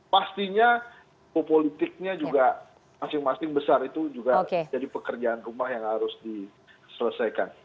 pastinya politiknya juga masing masing besar itu juga jadi pekerjaan rumah yang harus diselesaikan